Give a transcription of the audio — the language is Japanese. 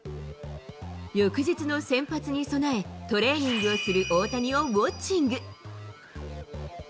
翌日の先発に備え、トレーニングをする大谷をウォッチング。